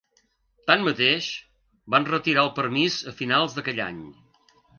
Tanmateix, van retirar el permís a finals d'aquell any.